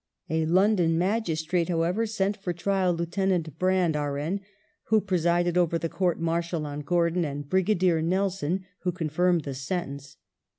A Lon don magistrate, however, sent for trial Lieut. Brand, R.N., who presided over the court martial on Gordon, and Brigadier Nelson, who confirmed the sentence.